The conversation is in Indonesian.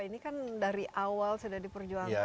ini kan dari awal sudah diperjuangkan